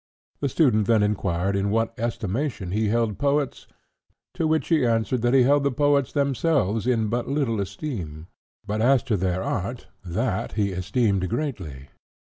The student then inquired in what estimation he held poets, to which he answered that he held the poets themselves in but little esteem; but as to their art, that he esteemed greatly.